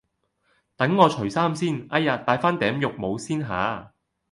等我除衫先，哎呀戴返頂浴帽先吓